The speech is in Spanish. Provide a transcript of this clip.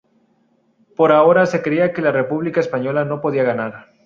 Por ahora se creía que la República Española no podía ganar.